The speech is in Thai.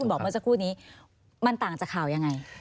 บอกเมื่อสักครู่นี้มันต่างจากข่าวยังไง